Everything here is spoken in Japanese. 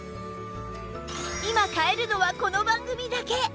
今買えるのはこの番組だけ！